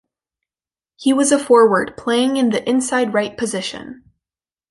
He was a forward, playing in the inside right position.